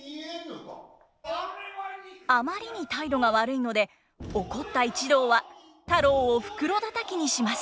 あまりに態度が悪いので怒った一同は太郎を袋だたきにします。